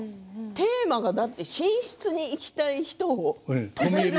テーマが寝室に行きたい人を止める。